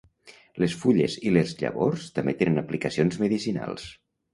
Les fulles i les llavors també tenen aplicacions medicinals.